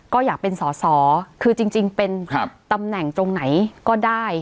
ก็อยากเป็นสอสอคือจริงเป็นตำแหน่งตรงไหนก็ได้